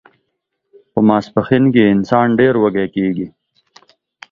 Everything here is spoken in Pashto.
په ماسپښین کې انسان ډیر وږی کیږي